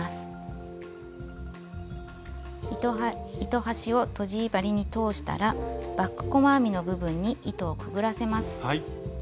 糸端をとじ針に通したらバック細編みの部分に糸をくぐらせます。